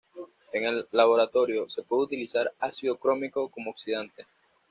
En el laboratorio, se puede utilizar ácido crómico como oxidante.